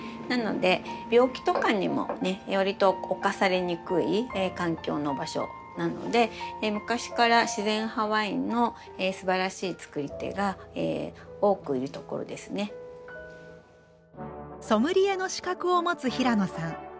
なので病気とかにもねわりと侵されにくい環境の場所なので昔から自然派ワインのすばらしいつくり手が多くいる所ですね。ソムリエの資格を持つ平野さん。